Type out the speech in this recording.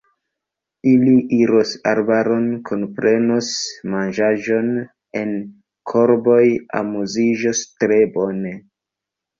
Ili iros arbaron, kunprenos manĝaĵon en korboj, amuziĝos tre bone.